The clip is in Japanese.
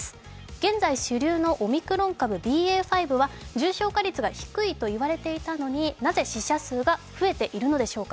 現在主流のオミクロン株ＢＡ．５は重症化率が低いと言われていたのになぜ死者数が増えているのでしょうか。